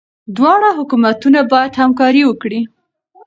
دواړه حکومتونه باید همکاري وکړي.